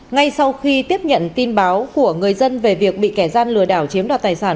ngay sau khi tiếp nhận tin báo của người dân về việc bị kẻ gian lừa đảo chiếm đoạt tài sản